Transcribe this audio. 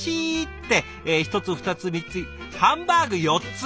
ってえ１つ２つ３つハンバーグ４つ。